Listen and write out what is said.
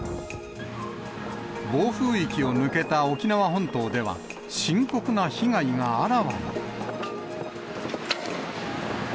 暴風域を抜けた沖縄本島では、深刻な被害があらわに。